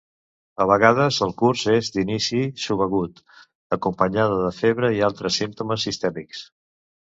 A vegades el curs és d’inici subagut, acompanyada de febre i altres símptomes sistèmics.